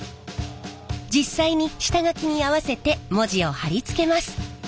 実際に下書きに合わせて文字を貼り付けます。